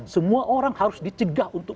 semua orang harus dicegah untuk